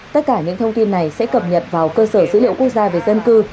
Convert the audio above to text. tất cả những thông tin này sẽ cập nhật vào cơ sở dữ liệu quốc gia về dân cư